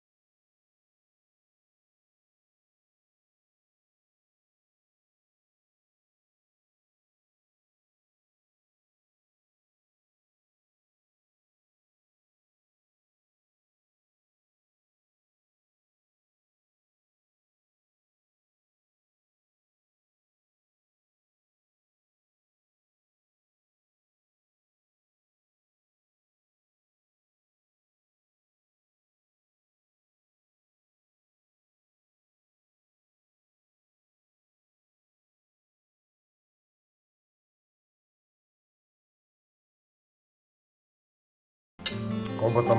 sesuai dengan laura